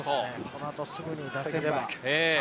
この後すぐに出せればチ